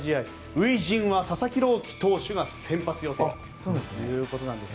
初陣は佐々木朗希投手が先発予定ということです。